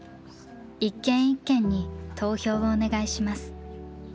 一軒一軒に投票をお願いします。